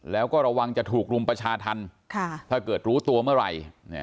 แล้วก็ระวังจะถูกรุมประชาธรรมถ้าเกิดรู้ตัวเมื่อไหร่